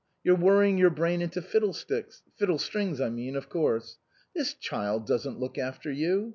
You're worrying your brain into fiddlesticks fiddlestrings I mean, of course. This child doesn't look after you.